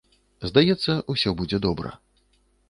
Здаецца, усё будзе добра.